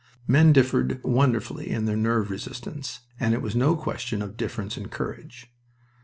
Men differed wonderfully in their nerve resistance, and it was no question of difference in courage.